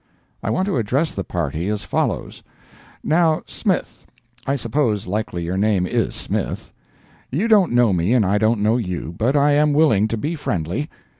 I want to address the party as follows: Now, Smith—I suppose likely your name is Smith—you don't know me and I don't know you, but I am willing to be friendly.